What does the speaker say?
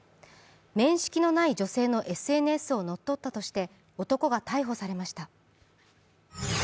面識のない女性のＳＮＳを乗っ取ったとして男が逮捕されました。